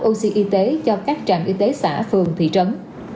oxy y tế cho các trạm y tế xã phường thị trấn